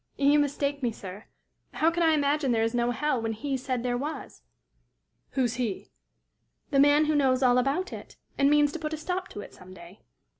"You mistake me, sir. How can I imagine there is no hell, when he said there was?" "Who's he?" "The man who knows all about it, and means to put a stop to it some day."